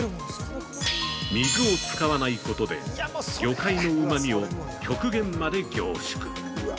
◆水を使わないことで魚介のうまみを極限まで凝縮。